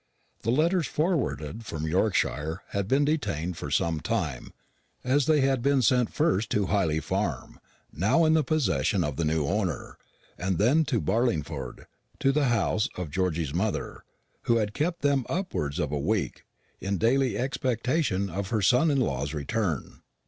The letters forwarded from Yorkshire had been detained some time, as they had been sent first to Hyley Farm, now in the possession of the new owner, and then to Barlingford, to the house of Georgy's mother, who had kept them upwards of a week, in daily expectation of her son in law's return.